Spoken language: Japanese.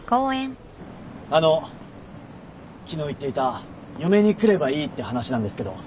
あの昨日言っていた「嫁に来ればいい」って話なんですけど。